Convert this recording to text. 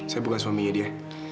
saya bukan suami ia dia